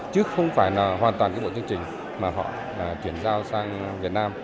chứ không phải là hoàn toàn cái bộ chương trình mà họ chuyển giao sang việt nam